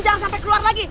jangan sampai keluar lagi